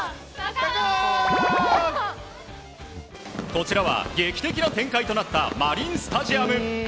こちらは劇的な展開となったマリンスタジアム。